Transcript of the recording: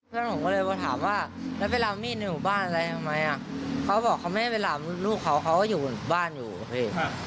เขาก็เลยโอ้โห